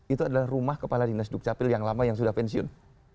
itu adalah rumah kepala dinas dukcapil yang lama yang sudah pensiun